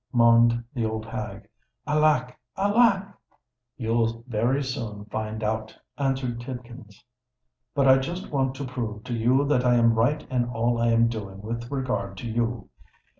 moaned the old hag. "Alack! alack!" "You'll very soon find out," answered Tidkins. "But I just want to prove to you that I am right in all I am doing with regard to you.